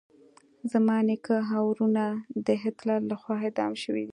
زما نیکه او ورونه د هټلر لخوا اعدام شويدي.